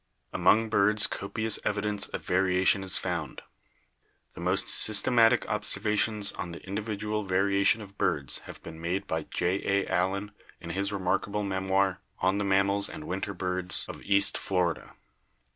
Among birds copious evidence of variation is found. The most systematic observations on the individual varia tion of birds have been made by J. A. Allen in his remark able memoir, 'On the Mammals and "Winter Birds of East Florida.'